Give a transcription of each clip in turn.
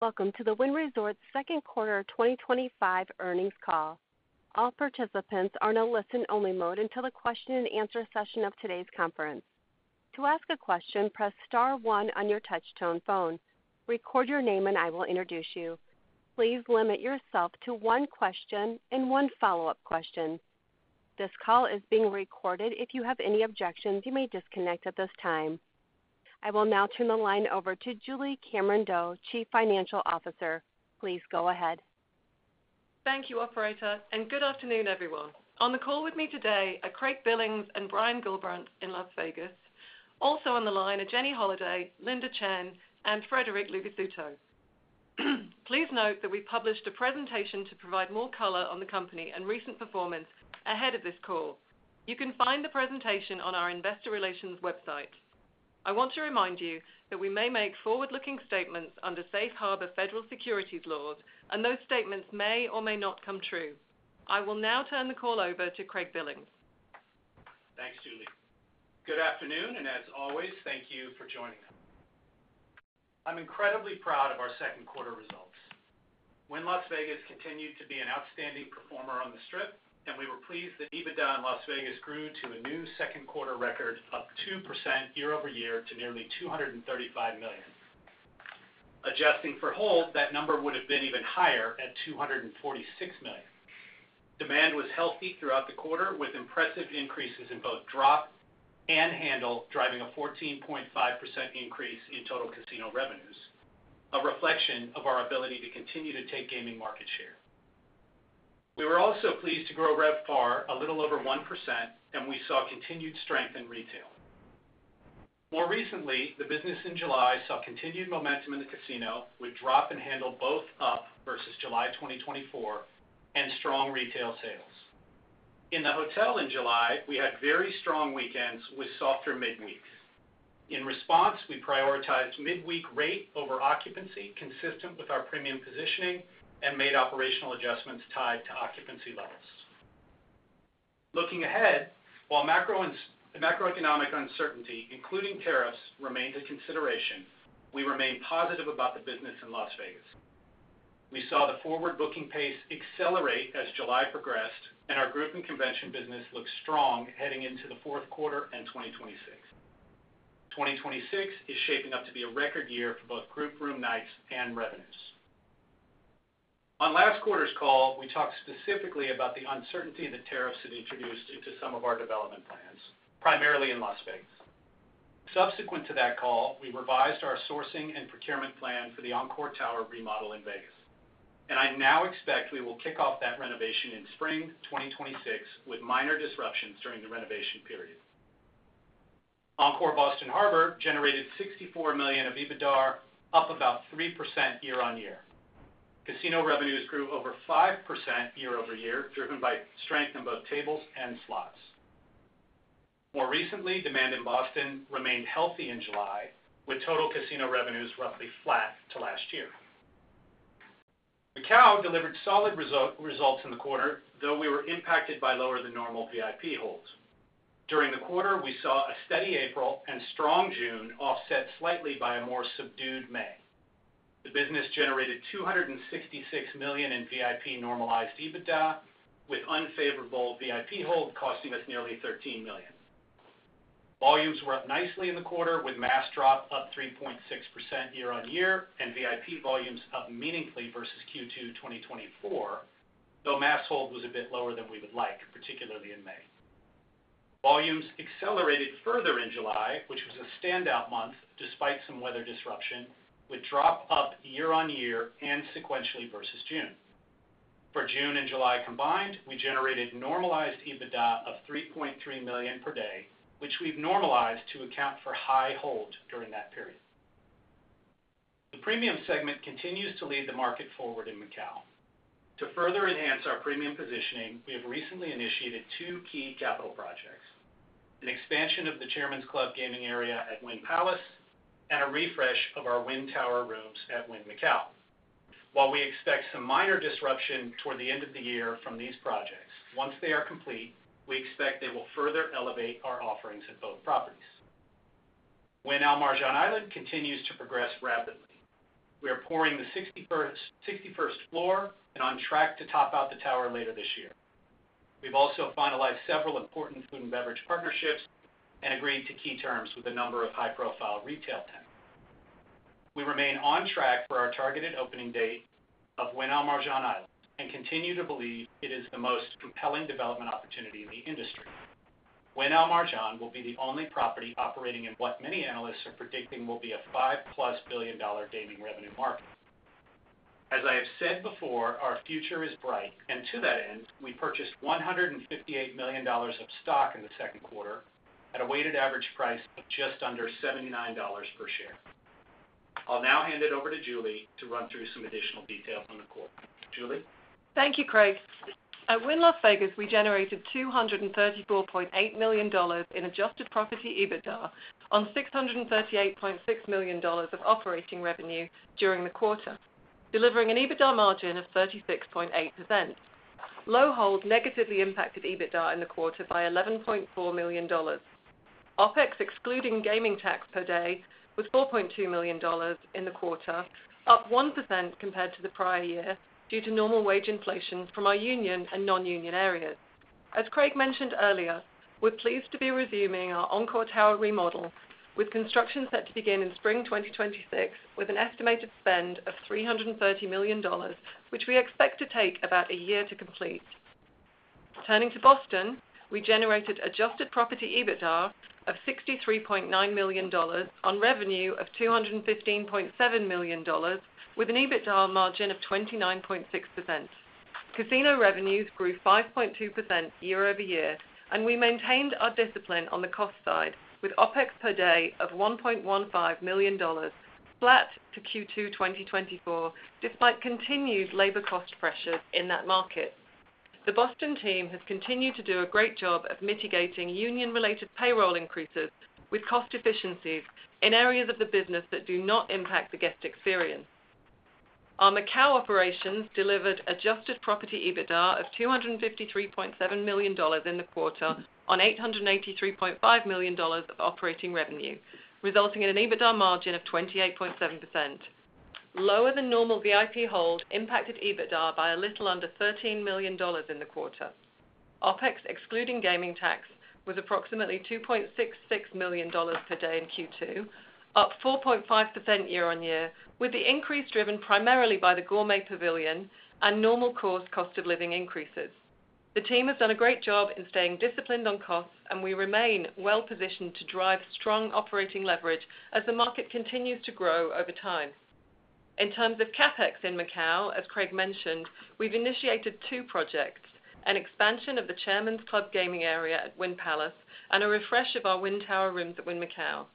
Welcome to the Wynn Resorts second quarter 2025 earnings call. All participants are in a listen-only mode until the question-and-answer session of today's conference. To ask a question, press star one on your touch-tone phone. Record your name and I will introduce you. Please limit yourself to one question and one follow-up question. This call is being recorded. If you have any objections, you may disconnect at this time. I will now turn the line over to Julie Cameron-Doe, Chief Financial Officer. Please go ahead. Thank you, operator, and good afternoon, everyone. On the call with me today are Craig Billings and Brian Gullbrants in Las Vegas. Also on the line are Jenny Holaday, Linda Chen, and Frederic Luvisutto. Please note that we published a presentation to provide more color on the company and recent performance ahead of this call. You can find the presentation on our investor relations website. I want to remind you that we may make forward-looking statements under Safe Harbor federal securities laws, and those statements may or may not come true. I will now turn the call over to Craig Billings. Thanks, Julie. Good afternoon, and as always, thank you for joining us. I'm incredibly proud of our second quarter results. Wynn Las Vegas continued to be an outstanding performer on the Strip, and we were pleased that EBITDA in Las Vegas grew to a new second quarter record of 2% year-over-year to nearly $235 million. Adjusting for hold, that number would have been even higher at $246 million. Demand was healthy throughout the quarter, with impressive increases in both drop and handle, driving a 14.5% increase in total casino revenues, a reflection of our ability to continue to take gaming market share. We were also pleased to grow RevPAR a little over 1%, and we saw continued strength in retail. More recently, the business in July saw continued momentum in the casino, with drop and handle both up versus July 2024 and strong retail sales. In the hotel in July, we had very strong weekends with softer midweek. In response, we prioritized midweek rate over occupancy, consistent with our premium positioning, and made operational adjustments tied to occupancy levels. Looking ahead, while macroeconomic uncertainty, including tariffs, remains a consideration, we remain positive about the business in Las Vegas. We saw the forward booking pace accelerate as July progressed, and our group and convention business looks strong heading into the fourth quarter and 2026. 2026 is shaping up to be a record year for both group room nights and revenues. On last quarter's call, we talked specifically about the uncertainty the tariffs introduced into some of our development plans, primarily in Las Vegas. Subsequent to that call, we revised our sourcing and procurement plan for the Encore Tower remodel in Las Vegas, and I now expect we will kick off that renovation in spring 2026, with minor disruptions during the renovation period. Encore Boston Harbor generated $64 million of EBITDA, up about 3% year-on-year. Casino revenues grew over 5% year-over-year, driven by strength in both tables and slots. More recently, demand in Boston remained healthy in July, with total casino revenues roughly flat to last year. Macau delivered solid results in the quarter, though we were impacted by lower than normal VIP hold. During the quarter, we saw a steady April and strong June, offset slightly by a more subdued May. The business generated $266 million in VIP normalized EBITDA, with unfavorable VIP hold costing us nearly $13 million. Volumes were up nicely in the quarter, with mass drop up 3.6% year-on-year, and VIP volumes up meaningfully versus Q2 2024, though mass hold was a bit lower than we would like, particularly in May. Volumes accelerated further in July, which was a standout month despite some weather disruption, with drop up year-on-year and sequentially versus June. For June and July combined, we generated normalized EBITDA of $3.3 million per day, which we've normalized to account for high hold during that period. The premium segment continues to lead the market forward in Macau. To further enhance our premium positioning, we have recently initiated two key capital projects: an expansion of the Chairman's Club gaming area at Wynn Palace and a refresh of our Wynn Tower rooms at Wynn Macau. While we expect some minor disruption toward the end of the year from these projects, once they are complete, we expect they will further elevate our offerings at both properties. Wynn Al Marjan Island continues to progress rapidly. We are pouring the 61st floor and on track to top out the tower later this year. We've also finalized several important food and beverage partnerships and agreed to key terms with a number of high-profile retail tenants. We remain on track for our targeted opening date of Wynn Al Marjan Island and continue to believe it is the most compelling development opportunity in the industry. Wynn Al Marjan will be the only property operating in what many analysts are predicting will be a $5+ billion gaming revenue market. As I have said before, our future is bright, and to that end, we purchased $158 million of stock in the second quarter at a weighted average price of just under $79 per share. I'll now hand it over to Julie to run through some additional details on the quarter. Julie? Thank you, Craig. At Wynn Las Vegas, we generated $234.8 million in adjusted property EBITDA on $638.6 million of operating revenue during the quarter, delivering an EBITDA margin of 36.8%. Low hold negatively impacted EBITDA in the quarter by $11.4 million. OpEx excluding gaming tax per day was $4.2 million in the quarter, up 1% compared to the prior year due to normal wage inflation from our union and non-union areas. As Craig mentioned earlier, we're pleased to be resuming our Encore Tower remodel, with construction set to begin in spring 2026, with an estimated spend of $330 million, which we expect to take about a year to complete. Turning to Boston, we generated adjusted property EBITDA of $63.9 million on revenue of $215.7 million, with an EBITDA margin of 29.6%. Casino revenues grew 5.2% year-over-year, and we maintained our discipline on the cost side, with OpEx per day of $1.15 million flat to Q2 2024, despite continued labor cost pressures in that market. The Boston team has continued to do a great job of mitigating union-related payroll increases with cost efficiencies in areas of the business that do not impact the guest experience. Our Macau operations delivered adjusted property EBITDA of $253.7 million in the quarter on $883.5 million of operating revenue, resulting in an EBITDA margin of 28.7%. Lower than normal VIP hold impacted EBITDA by a little under $13 million in the quarter. OpEx excluding gaming tax was approximately $2.66 million per day in Q2, up 4.5% year-on-year, with the increase driven primarily by the gourmet pavilion and normal course cost of living increases. The team has done a great job in staying disciplined on costs, and we remain well positioned to drive strong operating leverage as the market continues to grow over time. In terms of CapEx in Macau, as Craig mentioned, we've initiated two projects, an expansion of the Chairman's Club gaming area at Wynn Palace and a refresh of our Wynn Tower rooms at Wynn Macau.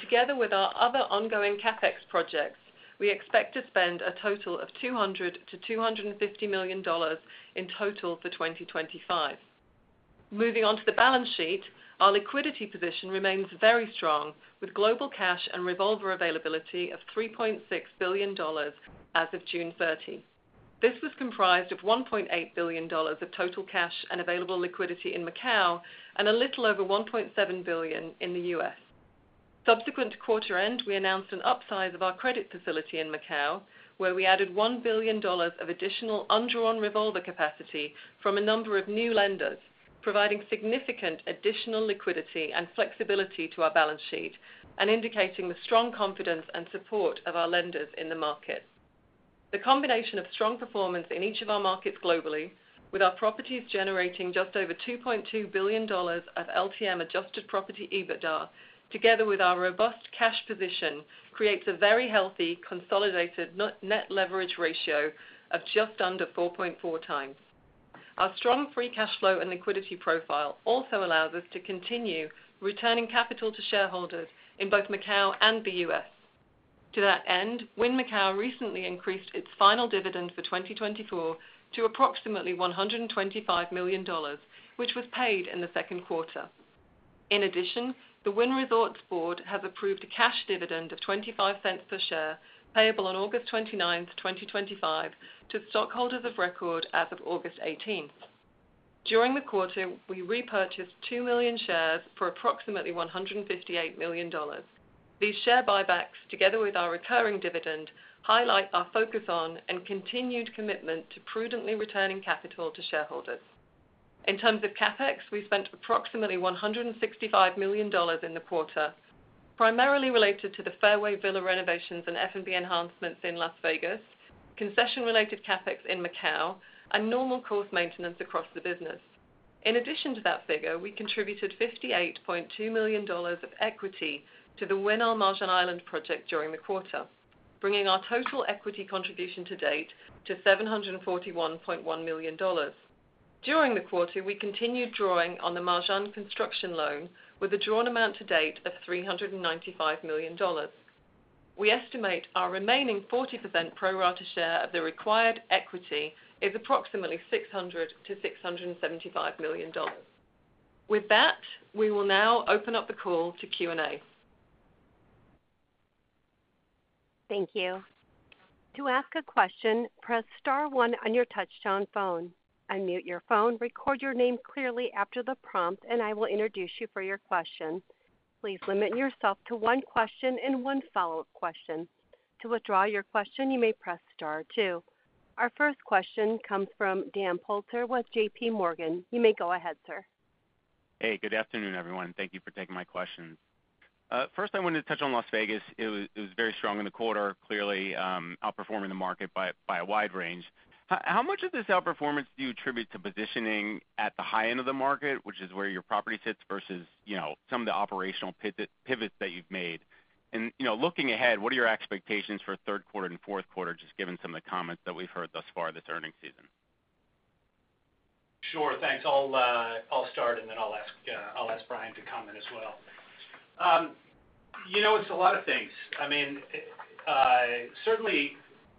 Together with our other ongoing CapEx projects, we expect to spend a total of $200 million-$250 million in total for 2025. Moving on to the balance sheet, our liquidity position remains very strong, with global cash and revolver availability of $3.6 billion as of June 30. This was comprised of $1.8 billion of total cash and available liquidity in Macau and a little over $1.7 billion in the U.S. Subsequent to quarter end, we announced an upsize of our credit facility in Macau, where we added $1 billion of additional undrawn revolver capacity from a number of new lenders, providing significant additional liquidity and flexibility to our balance sheet and indicating the strong confidence and support of our lenders in the markets. The combination of strong performance in each of our markets globally, with our properties generating just over $2.2 billion of LTM adjusted property EBITDA, together with our robust cash position, creates a very healthy consolidated net leverage ratio of just under 4.4x. Our strong free cash flow and liquidity profile also allows us to continue returning capital to shareholders in both Macau and U.S. To that end, Wynn Macau recently increased its final dividend for 2024 to approximately $125 million, which was paid in the second quarter. In addition, the Wynn Resorts Board has approved a cash dividend of $0.25 per share, payable on August 29, 2025, to stockholders of record as of August 18th. During the quarter, we repurchased 2 million shares for approximately $158 million. These share buybacks, together with our recurring dividend, highlight our focus on and continued commitment to prudently returning capital to shareholders. In terms of CapEx, we spent approximately $165 million in the quarter, primarily related to the Fairway Villa renovations and F&B enhancements in Las Vegas, concession-related CapEx in Macau, and normal course maintenance across the business. In addition to that figure, we contributed $58.2 million of equity to the Wynn Al Marjan Island project during the quarter, bringing our total equity contribution to date to $741.1 million. During the quarter, we continued drawing on the Marjan construction loan with a drawn amount to date of $395 million. We estimate our remaining 40% pro rata share of the required equity is approximately $600 million-$675 million. With that, we will now open up the call to Q&A. Thank you. To ask a question, press star one on your touch-tone phone. Unmute your phone. Record your name clearly after the prompt, and I will introduce you for your question. Please limit yourself to one question and one follow-up question. To withdraw your question, you may press star two. Our first question comes from Dan Politzer with JPMorgan. You may go ahead, sir. Hey, good afternoon, everyone. Thank you for taking my question. First, I wanted to touch on Las Vegas. It was very strong in the quarter, clearly outperforming the market by a wide range. How much of this outperformance do you attribute to positioning at the high end of the market, which is where your property sits, versus some of the operational pivots that you've made? Looking ahead, what are your expectations for third quarter and fourth quarter, just given some of the comments that we've heard thus far this earnings season? Sure, thanks. I'll start, and then I'll ask Brian to comment as well. You know, it's a lot of things. I mean, certainly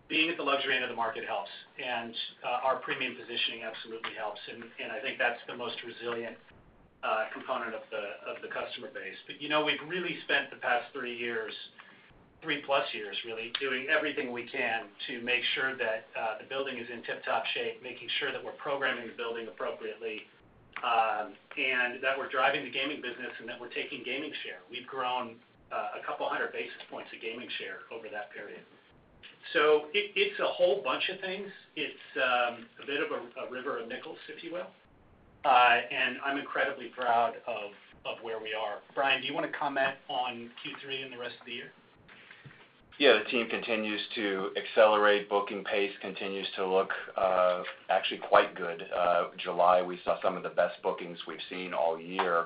being at the luxury end of the market helps, and our premium positioning absolutely helps. I think that's the most resilient component of the customer base. You know, we've really spent the past three years, 3+ years, really doing everything we can to make sure that the building is in tip-top shape, making sure that we're programming the building appropriately, and that we're driving the gaming business and that we're taking gaming share. We've grown a couple hundred basis points of gaming share over that period. It's a whole bunch of things. It's a bit of a river of nickels, if you will. I'm incredibly proud of where we are. Brian, do you want to comment on Q3 and the rest of the year? Yeah, the team continues to accelerate. Booking pace continues to look actually quite good. July, we saw some of the best bookings we've seen all year.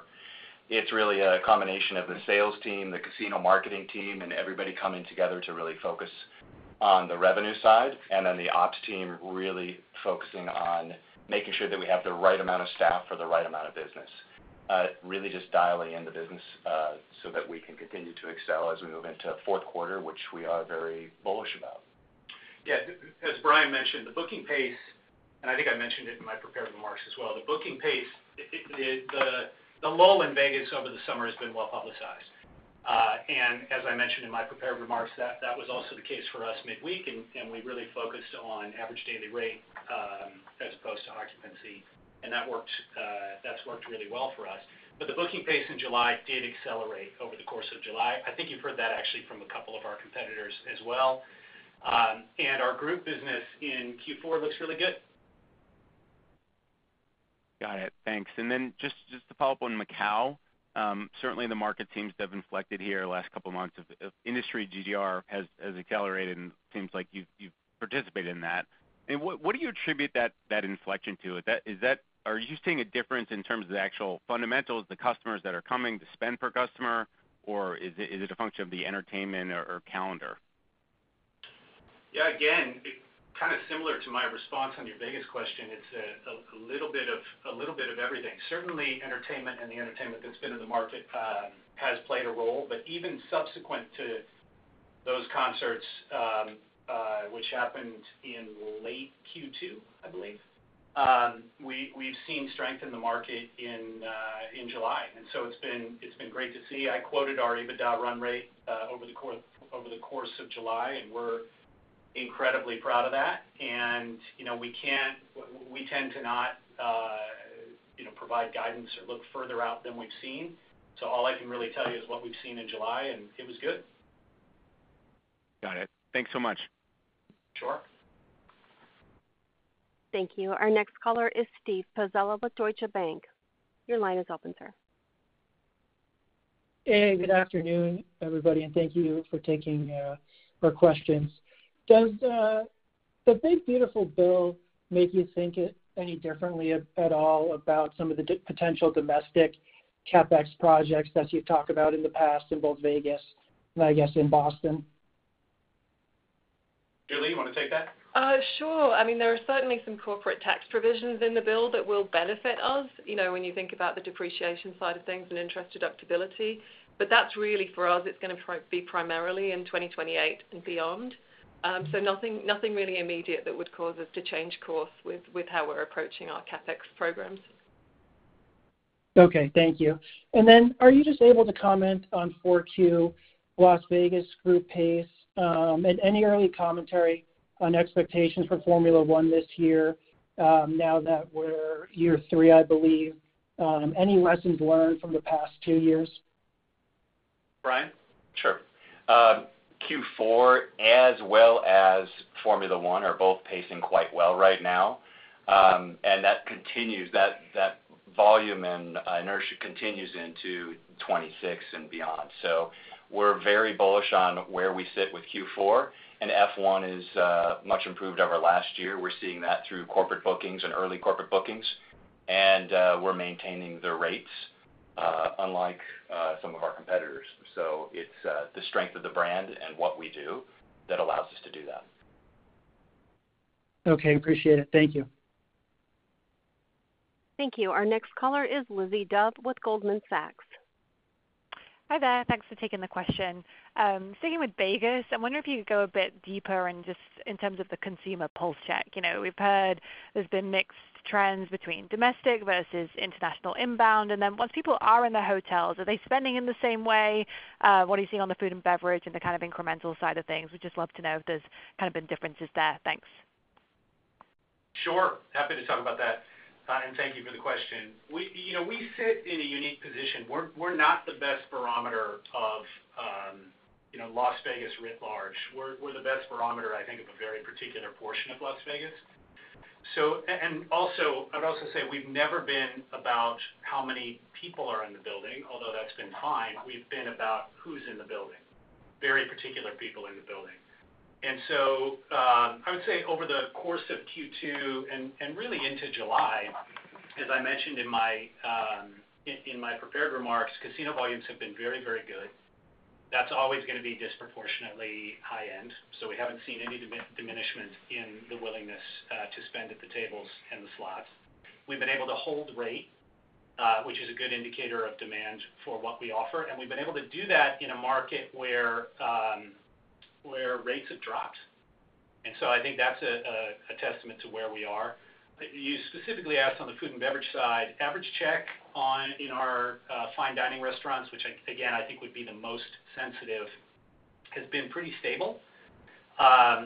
It's really a combination of the sales team, the casino marketing team, and everybody coming together to really focus on the revenue side, and then the ops team really focusing on making sure that we have the right amount of staff for the right amount of business. Really just dialing in the business so that we can continue to excel as we move into fourth quarter, which we are very bullish about. Yeah, as Brian mentioned, the booking pace, and I think I mentioned it in my prepared remarks as well, the booking pace, the lull in Las Vegas over the summer has been well publicized. As I mentioned in my prepared remarks, that was also the case for us midweek, and we really focused on average daily rate as opposed to occupancies. That's worked really well for us. The booking pace in July did accelerate over the course of July. I think you've heard that actually from a couple of our competitors as well. Our group business in Q4 looks really good. Got it. Thanks. Just to follow up on Macau, certainly the market seems to have inflected here the last couple of months. Industry GDR has accelerated, and it seems like you've participated in that. What do you attribute that inflection to? Are you seeing a difference in terms of the actual fundamentals, the customers that are coming, the spend per customer, or is it a function of the entertainment or calendar? Yeah, again, kind of similar to my response on your Vegas question, it's a little bit of everything. Certainly, entertainment and the entertainment that's been in the market has played a role. Even subsequent to those concerts, which happened in late Q2, I believe, we've seen strength in the market in July. It's been great to see. I quoted our EBITDA run rate over the course of July, and we're incredibly proud of that. We tend to not provide guidance or look further out than we've seen. All I can really tell you is what we've seen in July, and it was good. Got it. Thanks so much. Sure. Thank you. Our next caller is Steve Pizzella with Deutsche Bank. Your line is open, sir. Hey, good afternoon, everybody, and thank you for taking our questions. Does the big beautiful bill make you think any differently at all about some of the potential domestic CapEx projects that you've talked about in the past in both Las Vegas and, I guess, in Boston? Julie, you want to take that? Sure. I mean, there are certainly some corporate tax provisions in the bill that will benefit us, you know, when you think about the depreciation side of things and interest deductibility. That's really for us, it's going to be primarily in 2028 and beyond. Nothing really immediate would cause us to change course with how we're approaching our CapEx programs. Okay, thank you. Are you just able to comment on 4Q, Las Vegas group pace, and any early commentary on expectations for Formula One this year, now that we're year three, I believe? Any lessons learned from the past two years? Brian? Q4, as well as Formula One, are both pacing quite well right now. That volume and inertia continues into 2026 and beyond. We're very bullish on where we sit with Q4, and F1 is much improved over last year. We're seeing that through corporate bookings and early corporate bookings. We're maintaining the rates, unlike some of our competitors. It's the strength of the brand and what we do that allows us to do that. Okay, appreciate it. Thank you. Thank you. Our next caller is Lizzie Dove with Goldman Sachs. Hi there. Thanks for taking the question. Sticking with Vegas, I'm wondering if you could go a bit deeper just in terms of the consumer pulse check. We've heard there's been mixed trends between domestic versus international inbound. Once people are in the hotels, are they spending in the same way? What are you seeing on the food and beverage and the kind of incremental side of things? We'd just love to know if there's kind of been differences there. Thanks. Sure. Happy to talk about that. Thank you for the question. You know, we sit in a unique position. We're not the best barometer of, you know, Las Vegas writ large. We're the best barometer, I think, of a very particular portion of Las Vegas. I'd also say we've never been about how many people are in the building, although that's been fine. We've been about who's in the building, very particular people in the building. I would say over the course of Q2 and really into July, as I mentioned in my prepared remarks, casino volumes have been very, very good. That's always going to be disproportionately high-end. We haven't seen any diminishment in the willingness to spend at the tables and the slots. We've been able to hold rate, which is a good indicator of demand for what we offer. We've been able to do that in a market where rates have dropped. I think that's a testament to where we are. You specifically asked on the food and beverage side, average check in our fine dining restaurants, which again, I think would be the most sensitive, has been pretty stable. I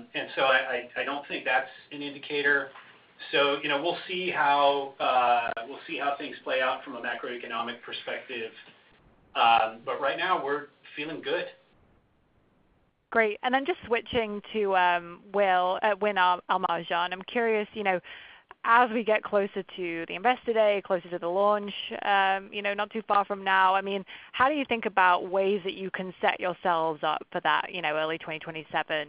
don't think that's an indicator. You know, we'll see how things play out from a macroeconomic perspective. Right now, we're feeling good. Great. Just switching to Wynn Al Marjan Island, I'm curious, you know, as we get closer to the Investor Day, closer to the launch, you know, not too far from now, I mean, how do you think about ways that you can set yourselves up for that, you know, early 2027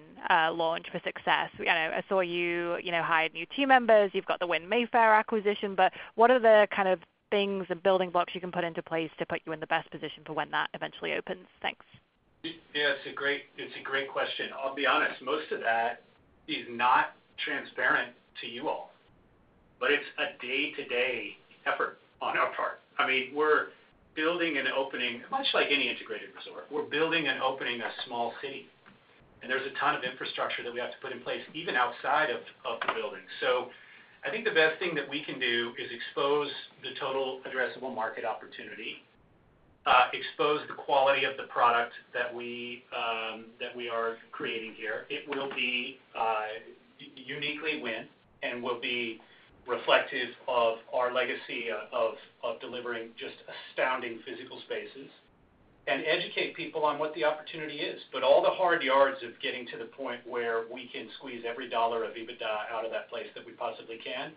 launch for success? I saw you, you know, hired new team members, you've got the Aspinalls in Mayfair acquisition, but what are the kind of things and building blocks you can put into place to put you in the best position for when that eventually opens? Thanks. Yeah, it's a great question. I'll be honest, most of that is not transparent to you all. It's a day-to-day effort on our part. I mean, we're building and opening, much like any integrated resort, we're building and opening a small city. There's a ton of infrastructure that we have to put in place even outside of the building. I think the best thing that we can do is expose the total addressable market opportunity, expose the quality of the product that we are creating here. It will be uniquely Wynn and will be reflective of our legacy of delivering just astounding physical spaces and educate people on what the opportunity is. All the hard yards of getting to the point where we can squeeze every dollar of EBITDA out of that place that we possibly can,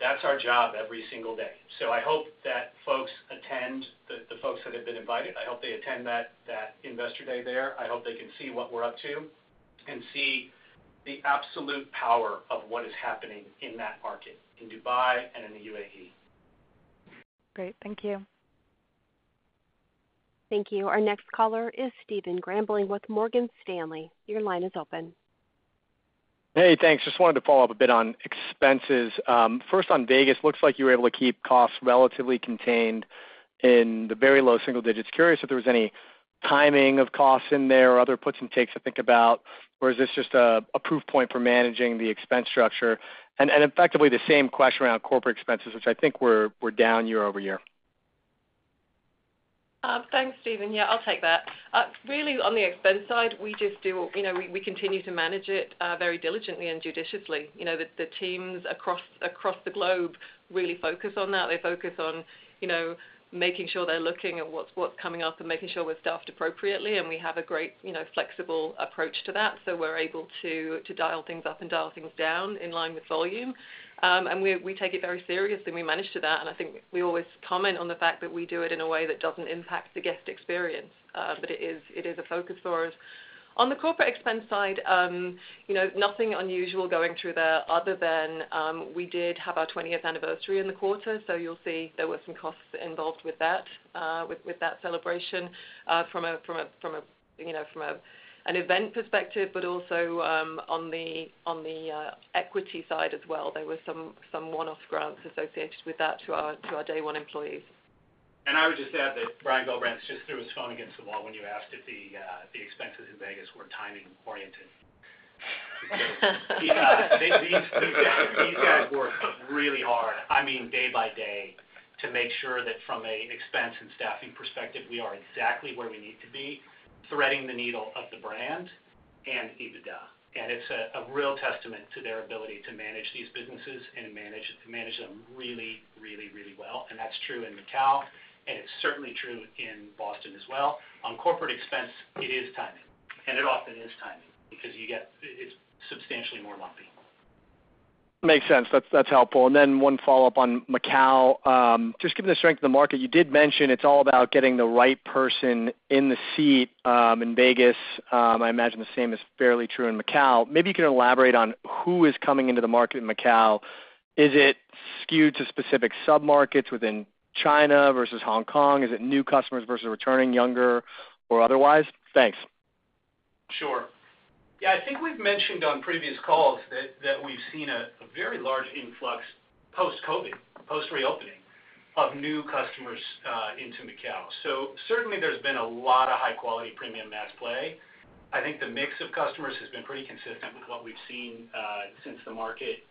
that's our job every single day. I hope that folks attend, the folks that have been invited, I hope they attend that Investor Day there. I hope they can see what we're up to and see the absolute power of what is happening in that market in Dubai and in the UAE. Great, thank you. Thank you. Our next caller is Stephen Grambling with Morgan Stanley. Your line is open. Hey, thanks. Just wanted to follow up a bit on expenses. First on Vegas, it looks like you were able to keep costs relatively contained in the very low single digits. Curious if there was any timing of costs in there or other puts and takes to think about, or is this just a proof point for managing the expense structure? Effectively the same question around corporate expenses, which I think were down year-over-year. Thanks, Stephen. Yeah, I'll take that. Really, on the expense side, we just continue to manage it very diligently and judiciously. The teams across the globe really focus on that. They focus on making sure they're looking at what's coming up and making sure we're staffed appropriately. We have a great, flexible approach to that. We're able to dial things up and dial things down in line with volume. We take it very seriously. We manage to that. I think we always comment on the fact that we do it in a way that doesn't impact the guest experience. It is a focus for us. On the corporate expense side, nothing unusual going through there other than we did have our 20th anniversary in the quarter. You'll see there were some costs involved with that celebration from an event perspective, but also on the equity side as well. There were some one-off grants associated with that to our day-one employees. I would just add that Brian Gullbrants just threw his phone against the wall when you asked if the expenses in Las Vegas were timing oriented. These guys work really hard, day by day, to make sure that from an expense and staffing perspective, we are exactly where we need to be, threading the needle of the brand and EBITDA. It's a real testament to their ability to manage these businesses and to manage them really, really, really well. That's true in Macau, and it's certainly true in Boston as well. On corporate expense, it is timing, and it often is timing because you get substantially more lumpy. Makes sense. That's helpful. One follow-up on Macau. Just given the strength of the market, you did mention it's all about getting the right person in the seat in Vegas. I imagine the same is fairly true in Macau. Maybe you can elaborate on who is coming into the market in Macau. Is it skewed to specific submarkets within China versus Hong Kong? Is it new customers versus returning, younger, or otherwise? Thanks. Sure. Yeah, I think we've mentioned on previous calls that we've seen a very large influx post-COVID, post-reopening of new customers into Macau. Certainly there's been a lot of high-quality premium mass play. I think the mix of customers has been pretty consistent with what we've seen since the market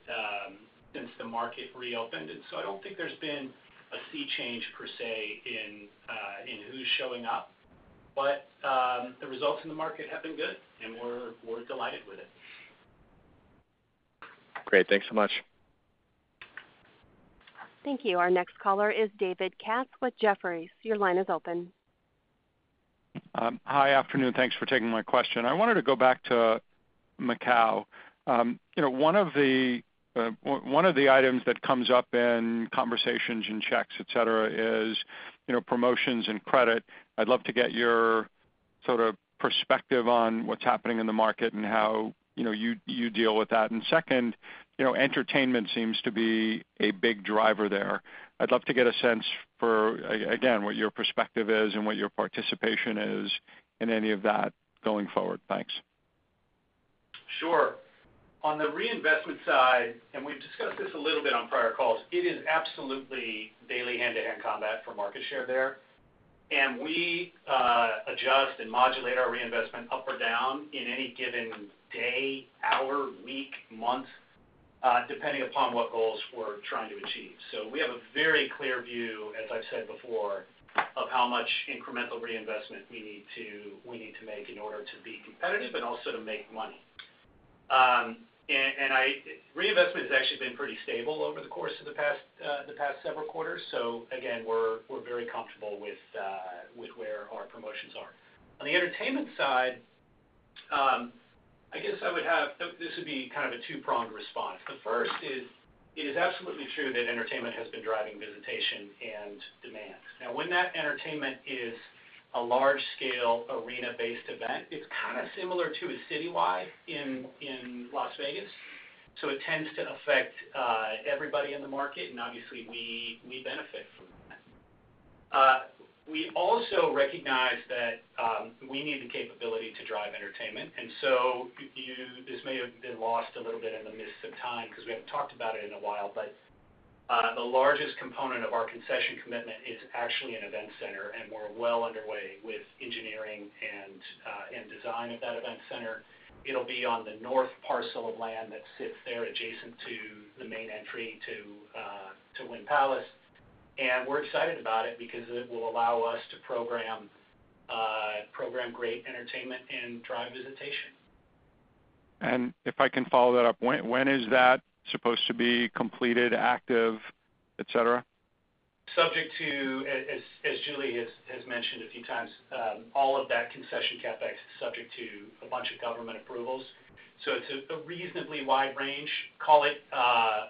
reopened. I don't think there's been a sea change per se in who's showing up. The results in the market have been good, and we're delighted with it. Great, thanks so much. Thank you. Our next caller is David Katz with Jefferies. Your line is open. Hi, afternoon. Thanks for taking my question. I wanted to go back to Macau. One of the items that comes up in conversations and checks is promotions and credit. I'd love to get your sort of perspective on what's happening in the market and how you deal with that. Second, entertainment seems to be a big driver there. I'd love to get a sense for what your perspective is and what your participation is in any of that going forward. Thanks. Sure. On the reinvestment side, and we've discussed this a little bit on prior calls, it is absolutely daily hand-to-hand combat for market share there. We adjust and modulate our reinvestment up or down in any given day, hour, week, month, depending upon what goals we're trying to achieve. We have a very clear view, as I've said before, of how much incremental reinvestment we need to make in order to be competitive and also to make money. Reinvestment has actually been pretty stable over the course of the past several quarters. We're very comfortable with where our promotions are. On the entertainment side, I guess I would have, this would be kind of a two-pronged response. The first is it is absolutely true that entertainment has been driving visitation and demand. Now, when that entertainment is a large-scale arena-based event, it's kind of similar to a citywide in Las Vegas. It tends to affect everybody in the market, and obviously, we benefit from that. We also recognize that we need the capability to drive entertainment. This may have been lost a little bit in the midst of time because we haven't talked about it in a while, but the largest component of our concession commitment is actually an event center, and we're well underway with engineering and design of that event center. It'll be on the north parcel of land that sits there adjacent to the main entry to Wynn Palace. We're excited about it because it will allow us to program great entertainment and drive visitation. If I can follow that up, when is that supposed to be completed, active, etc.? Subject to, as Julie has mentioned a few times, all of that concession CapEx is subject to a bunch of government approvals. It is a reasonably wide range. Call it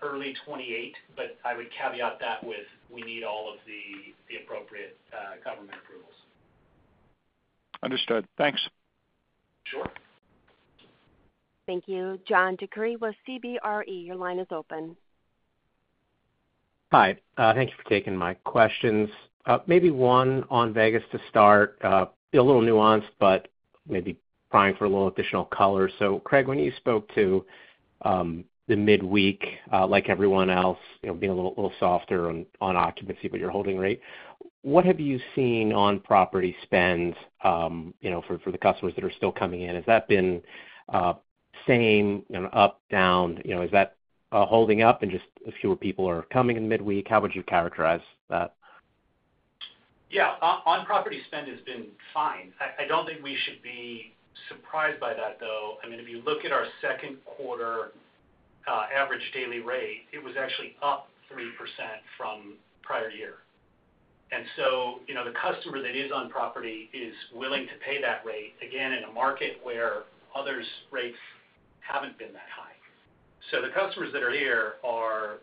early 2028, but I would caveat that with we need all of the appropriate government approvals. Understood. Thanks. Sure. Thank you. John DeCree with CBRE. Your line is open. Hi. Thank you for taking my questions. Maybe one on Vegas to start. A little nuanced, but maybe fine for a little additional color. Craig, when you spoke to the midweek, like everyone else, you know, being a little softer on occupancy but your holding rate, what have you seen on property spend for the customers that are still coming in? Has that been the same, up, down? Is that holding up and just fewer people are coming in midweek? How would you characterize that? Yeah, on property spend has been fine. I don't think we should be surprised by that, though. I mean, if you look at our second quarter average daily rate, it was actually up 3% from prior year. The customer that is on property is willing to pay that rate, again, in a market where others' rates haven't been that high. The customers that are here are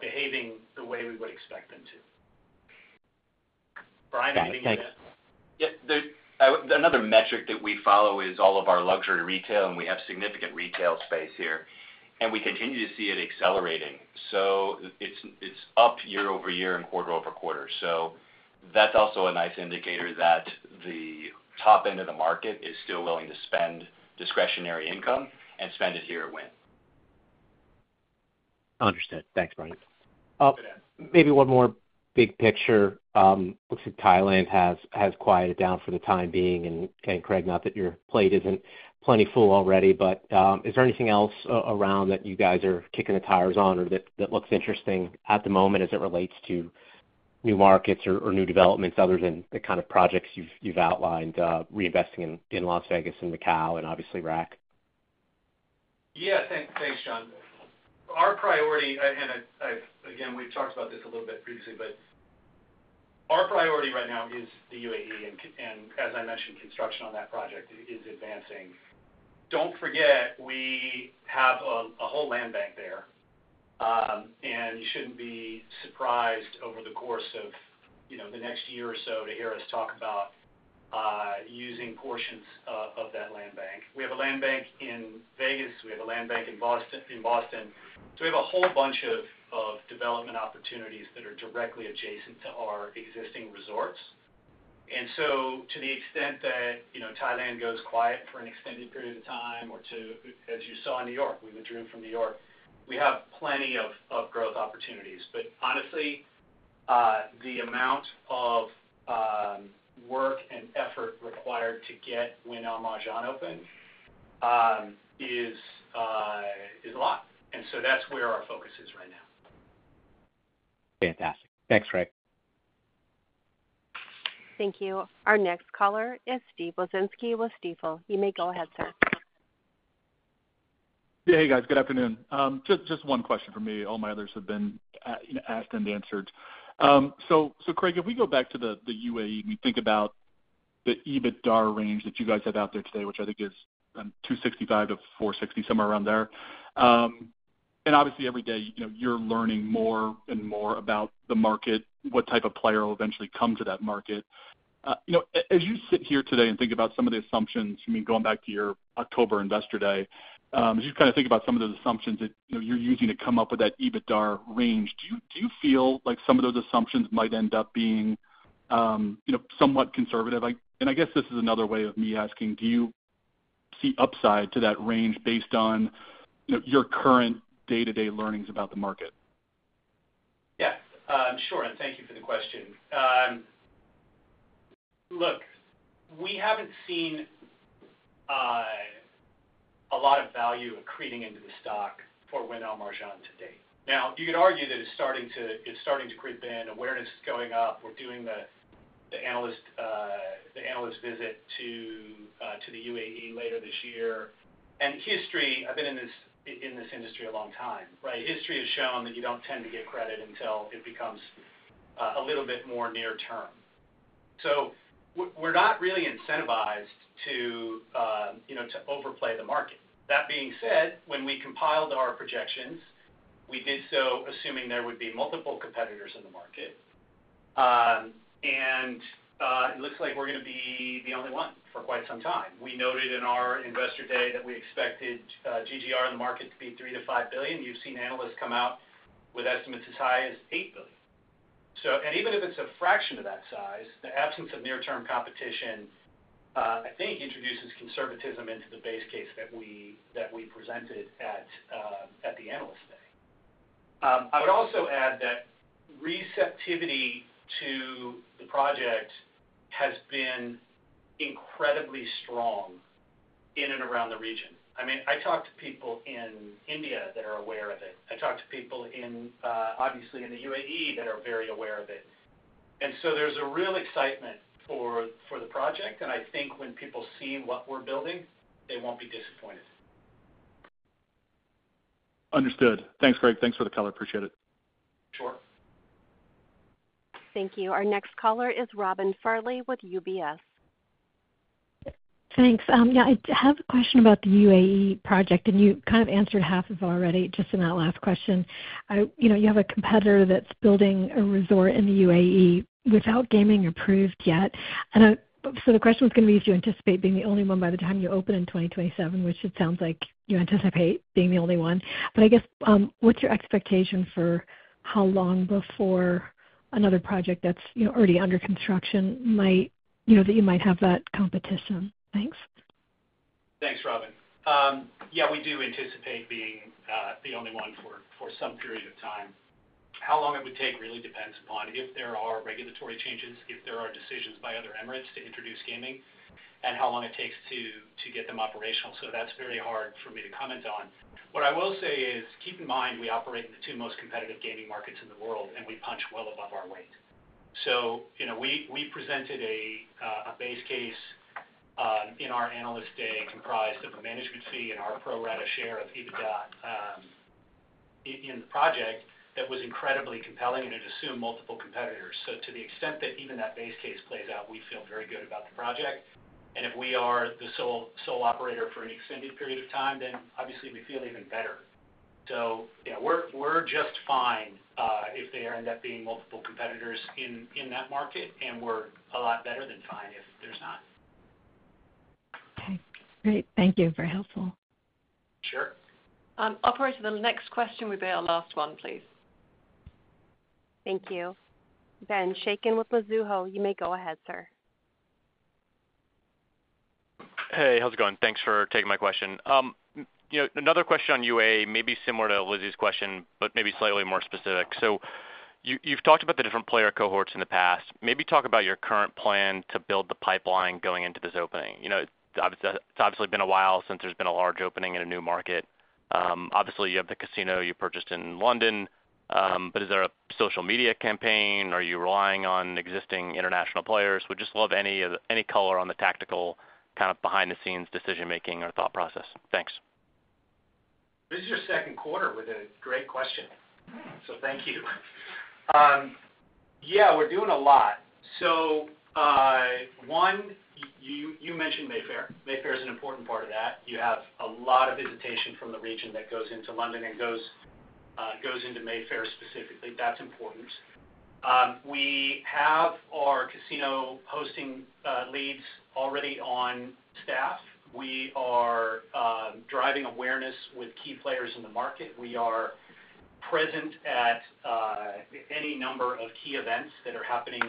behaving the way we would expect them to. Brian, anything to add? I think, yep, another metric that we follow is all of our luxury retail, and we have significant retail space here. We continue to see it accelerating. It's up year over year and quarter over quarter. That's also a nice indicator that the top end of the market is still willing to spend discretionary income and spend it here at Wynn. Understood. Thanks, Brian. Maybe one more big picture. It looks like Thailand has quieted down for the time being, and Craig, not that your plate isn't plenty full already, but is there anything else around that you guys are kicking the tires on or that looks interesting at the moment as it relates to new markets or new developments other than the kind of projects you've outlined, reinvesting in Las Vegas and Macau and obviously Iraq? Yeah, thanks, John. Our priority, and again, we've talked about this a little bit previously, but our priority right now is the UAE, and as I mentioned, construction on that project is advancing. Don't forget, we have a whole land bank there. You shouldn't be surprised over the course of the next year or so to hear us talk about using portions of that land bank. We have a land bank in Las Vegas. We have a land bank in Boston. We have a whole bunch of development opportunities that are directly adjacent to our existing resorts. To the extent that Thailand goes quiet for an extended period of time or, as you saw in New York, we withdrew from New York, we have plenty of growth opportunities. Honestly, the amount of work and effort required to get Wynn Al Marjan Island open is a lot. That is where our focus is right now. Fantastic. Thanks, Craig. Thank you. Our next caller is Steve Wieczynski with Stifel. You may go ahead, sir. Yeah, hey guys, good afternoon. Just one question for me. All my others have been asked and answered. Craig, if we go back to the UAE and we think about the EBITDA range that you guys have out there today, which I think is $265 million-$460 million, somewhere around there. Obviously, every day, you're learning more and more about the market, what type of player will eventually come to that market. As you sit here today and think about some of the assumptions, going back to your October Investor Day, as you kind of think about some of those assumptions that you're using to come up with that EBITDA range, do you feel like some of those assumptions might end up being somewhat conservative? I guess this is another way of me asking, do you see upside to that range based on your current day-to-day learnings about the market? Yes, sure. Thank you for the question. Look, we haven't seen a lot of value creeping into the stock for Wynn Al Marjan Island today. You could argue that it's starting to creep in. Awareness is going up. We're doing the analyst visit to the UAE later this year. History, I've been in this industry a long time, right? History has shown that you don't tend to give credit until it becomes a little bit more near-term. We're not really incentivized to overplay the market. That being said, when we compiled our projections, we did so assuming there would be multiple competitors in the market. It looks like we're going to be the only one for quite some time. We noted in our Investor Day that we expected GGR in the market to be $3 billion-$5 billion. You've seen analysts come out with estimates as high as $8 billion. Even if it's a fraction of that size, the absence of near-term competition, I think, introduces conservatism into the base case that we presented at the Analyst Day. I would also add that receptivity to the project has been incredibly strong in and around the region. I talk to people in India that are aware of it. I talk to people, obviously, in the UAE that are very aware of it. There's a real excitement for the project. I think when people see what we're building, they won't be disappointed. Understood. Thanks, Craig. Thanks for the call. I appreciate it. Thank you. Our next caller is Robin Farley with UBS. Thanks. Yeah, I have a question about the UAE project, and you kind of answered half of it already in that last question. You know, you have a competitor that's building a resort in the UAE without gaming approved yet. The question was going to be if you anticipate being the only one by the time you open in 2027, which it sounds like you anticipate being the only one. I guess what's your expectation for how long before another project that's already under construction might, you know, that you might have that competition? Thanks. Thanks, Robin. Yeah, we do anticipate being the only one for some period of time. How long it would take really depends upon if there are regulatory changes, if there are decisions by other emirates to introduce gaming, and how long it takes to get them operational. That's very hard for me to comment on. What I will say is, keep in mind, we operate in the two most competitive gaming markets in the world, and we punch well above our weight. We presented a base case in our Analyst Day and it applies to the management fee and our pro rata share of EBITDA in the project that was incredibly compelling and it assumed multiple competitors. To the extent that even that base case plays out, we feel very good about the project. If we are the sole operator for an extended period of time, then obviously we feel even better. We're just fine if there end up being multiple competitors in that market, and we're a lot better than fine if there's not. Okay, great. Thank you. Very helpful. Sure. I'll pray to the next question. It will be our last one, please. Thank you. Ben Chaiken with Mizuho. You may go ahead, sir. Hey, how's it going? Thanks for taking my question. Another question on UAE, maybe similar to Lizzie's question, but maybe slightly more specific. You've talked about the different player cohorts in the past. Maybe talk about your current plan to build the pipeline going into this opening. It's obviously been a while since there's been a large opening in a new market. You have the casino you purchased in London. Is there a social media campaign? Are you relying on existing international players? We'd just love any color on the tactical kind of behind-the-scenes decision-making or thought process. Thanks. This is your second quarter with it. It's a great question. Thank you. We're doing a lot. One, you mentioned Mayfair. Mayfair is an important part of that. You have a lot of visitation from the region that goes into London and goes into Mayfair specifically. That's important. We have our casino hosting leads already on staff. We are driving awareness with key players in the market. We are present at any number of key events that are happening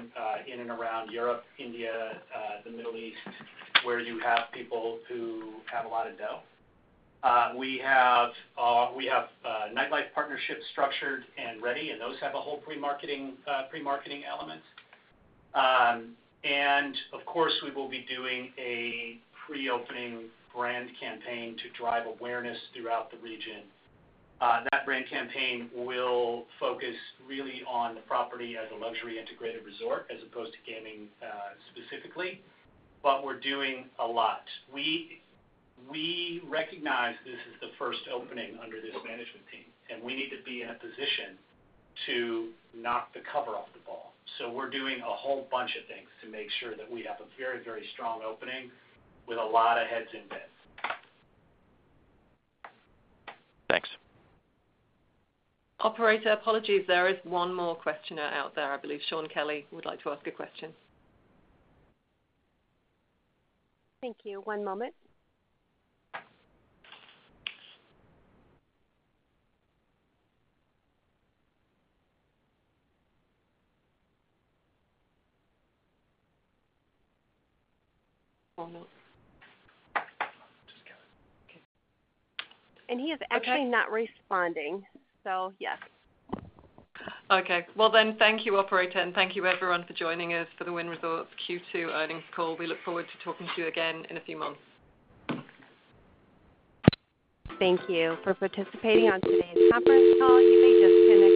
in and around Europe, India, the Middle East, where you have people who have a lot of dough. We have nightlife partnerships structured and ready, and those have a whole pre-marketing element. Of course, we will be doing a pre-opening brand campaign to drive awareness throughout the region. That brand campaign will focus really on the property as a luxury integrated resort as opposed to gaming specifically. We're doing a lot. We recognize this is the first opening under this management team, and we need to be in a position to knock the cover off the ball. We're doing a whole bunch of things to make sure that we have a very, very strong opening with a lot of heads in bed. Thanks. I’ll pray to apologize. There is one more questioner out there. I believe Shaun Kelley would like to ask a question. Thank you. One moment. He is actually not responding. Yes, thank you, operator, and thank you everyone for joining us for the Wynn Resorts Q2 earnings call. We look forward to talking to you again in a few months. Thank you for participating on today's conference call. You may disconnect at this time.